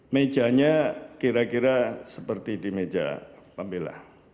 mejanya kira kira seperti di meja pembela